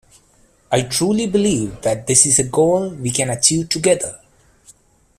I truly believe that this is a goal we can achieve together.